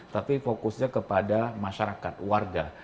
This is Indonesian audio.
tapi fokusnya kepada masyarakat warga